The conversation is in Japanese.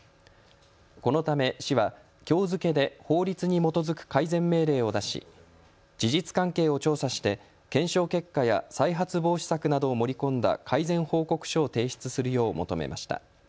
このため市はきょう付けで法律に基づく改善命令を出し事実関係を調査して検証結果や再発防止策などを盛り込んだ改善報告書を提出するよう求めました。